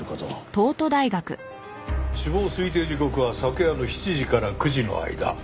死亡推定時刻は昨夜の７時から９時の間。